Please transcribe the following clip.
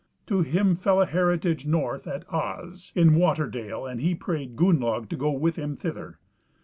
To him fell an heritage north at As, in Water dale, and he prayed Gunnlaug to go with him thither.